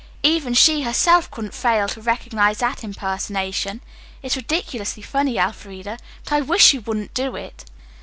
"Even she herself couldn't fail to recognize that impersonation. It's ridiculously funny, Elfreda, but I wish you wouldn't do it."